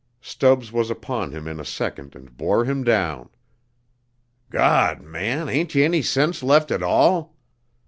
Stubbs was upon him in a second and bore him down. "Gawd, man, h'ain't yer any sense left at all?"